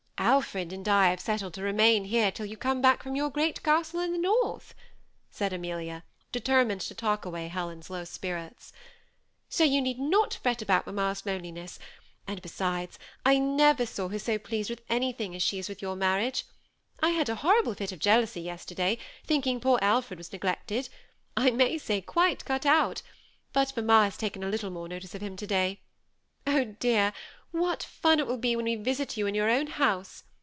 '^ Alfred and I have settled to remain here till you come back from your great castle in the north," said Amelia, determined to talk away Helen's low spirits. " So you need not fret about mamma's loneliness ; and besides, I never saw her so pleased with anything as she is with your marriage. I had a horrible fit of jealousy yester day, thinking poor Alfred was neglected — I may say quite cut out ; but manmia has taken a little more no tice of him to day. Oh, dear ! what fun it will be when we visit you in your own house